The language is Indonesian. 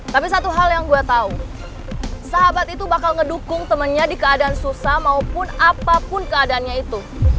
tapi satu hal yang gue tahu sahabat itu bakal ngedukung temennya di keadaan susah maupun apapun keadaannya itu